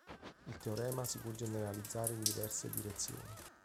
Il teorema si può generalizzare in diverse direzioni.